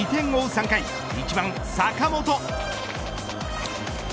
３回、１番坂本。